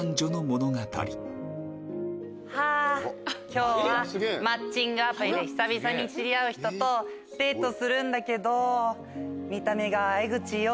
今日はマッチングアプリで久々に知り合う人とデートするんだけど。